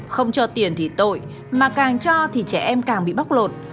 không cho tiền thì tội mà càng cho thì trẻ em càng bị bóc lột